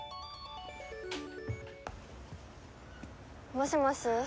もしもし。